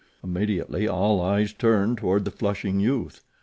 Immediately all eyes turned upon the flushing youth.